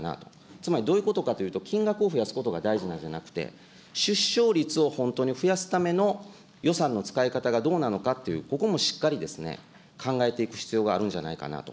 つまりどういうことかというと、金額増やすことが大事なんじゃなくて、出生率を本当に増やすための予算の使い方がどうなのかと、ここもしっかり考えていく必要があるんじゃないかなと。